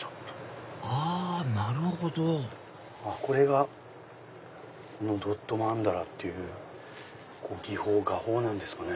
あなるほどこれがドットマンダラっていう技法画法なんですかね。